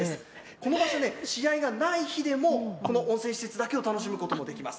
この場所ね、試合がない日でもこの温泉施設だけを楽しむこともできます。